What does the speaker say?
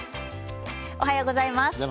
おはようございます。